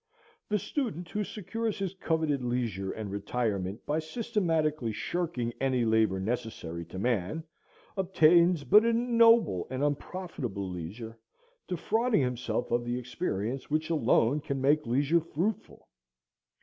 The student who secures his coveted leisure and retirement by systematically shirking any labor necessary to man obtains but an ignoble and unprofitable leisure, defrauding himself of the experience which alone can make leisure fruitful.